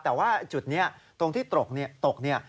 แต่ว่าจุดนี้ตรงที่ตกเนี่ย